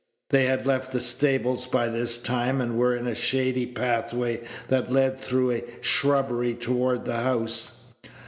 They had left the stables by this time, and were in a shady pathway that led through a shrubbery toward the house.